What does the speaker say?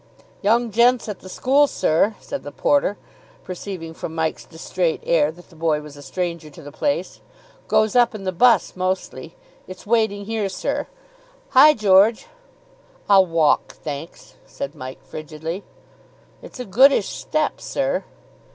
"Young gents at the school, sir," said the porter, perceiving from Mike's distrait air that the boy was a stranger to the place, "goes up in the 'bus mostly. It's waiting here, sir. Hi, George!" "I'll walk, thanks," said Mike frigidly. "It's a goodish step, sir."